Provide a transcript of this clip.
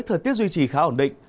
thời tiết duy trì khá ổn định